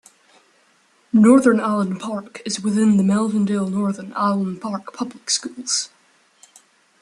Northern Allen Park is within the Melvindale-Northern Allen Park Public Schools.